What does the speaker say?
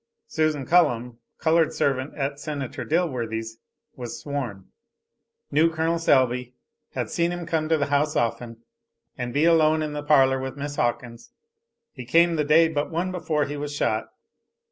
Susan Cullum, colored servant at Senator Dilworthy's, was sworn. Knew Col. Selby. Had seen him come to the house often, and be alone in the parlor with Miss Hawkins. He came the day but one before he was shot.